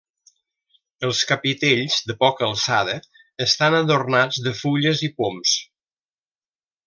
Els capitells de poca alçada estan adornats de fulles i poms.